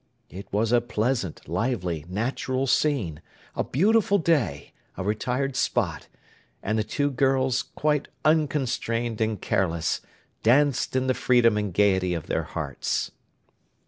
It was a pleasant, lively, natural scene; a beautiful day, a retired spot; and the two girls, quite unconstrained and careless, danced in the freedom and gaiety of their hearts.